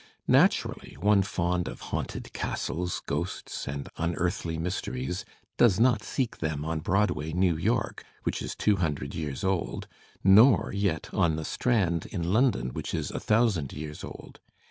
Naturally, one fond of haunted castles, ghosts, and un earthly mysteries does not seek them on Broadway, New York, which is two himdred years old, nor yet on the Strand, in London, which is a thousand years old.